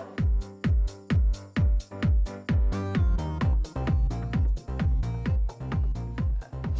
ibu sinis banget sih